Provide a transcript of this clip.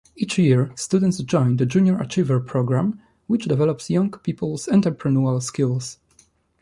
Each year, students join the Junior Achiever programme which develops young peoples' entrepreneurial skills.